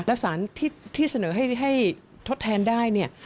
และสารที่เสนอให้ทดแทนได้